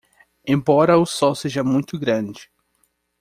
Embora o sol seja muito grande